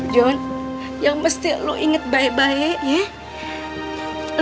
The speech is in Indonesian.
john yang mesti lo inget baik baik ya